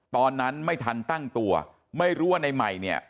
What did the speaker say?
ตอนนั้นไม่ทันตั้งตัวไม่รู้ว่าในใหม่เนี่ย